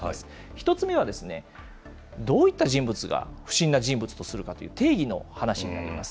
１つ目は、どういった人物が不審な人物とするかという、定義の話になります。